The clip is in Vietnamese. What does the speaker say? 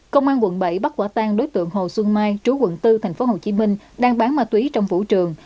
công an quận bảy bắt quả tang đối tượng hồ xuân mai chú quận bốn tp hcm đang bán ma túy trong vũ trường